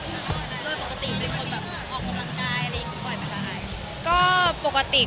โดยปกติเป็นคนออกกำลังกายอะไรอย่างนี้ก็ปล่อยประสาทไหม